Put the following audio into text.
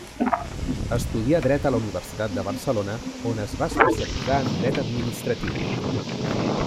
Estudià dret a la Universitat de Barcelona, on es va especialitzar en dret administratiu.